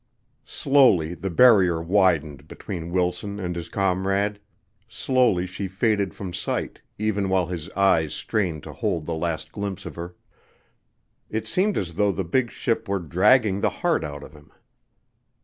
Slowly the barrier widened between Wilson and his Comrade slowly she faded from sight, even while his eyes strained to hold the last glimpse of her. It seemed as though the big ship were dragging the heart out of him.